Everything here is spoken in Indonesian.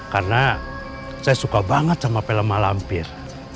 karena saya suka banget sama film mahalampir